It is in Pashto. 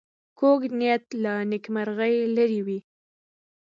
کوږ نیت له نېکمرغۍ لرې وي